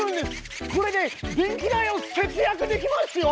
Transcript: これで電気代を節約できますよ！